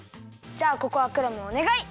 じゃあここはクラムおねがい。